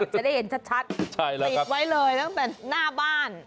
จะได้เห็นชัดติดไว้เลยตั้งแต่หน้าบ้าน